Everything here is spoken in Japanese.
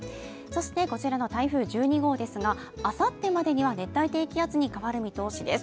こちらの台風１２号ですがあさってまでには熱帯低気圧に変わる見込みです。